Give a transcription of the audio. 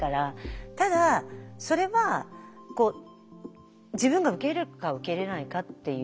ただそれは自分が受け入れるか受け入れないかっていう。